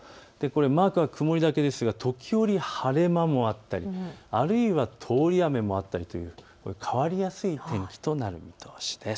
マークは曇りだけですが時折晴れ間もあったりあるいは通り雨もあったりという変わりやすい天気となる見通しです。